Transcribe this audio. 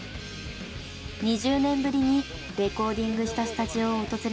２０年ぶりにレコーディングしたスタジオを訪れました。